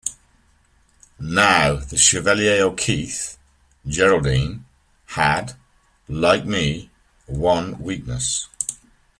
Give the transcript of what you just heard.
Now the Chevalier O'Keefe, Geraldine, had, like me, one weakness.